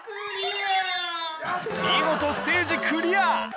見事ステージクリア！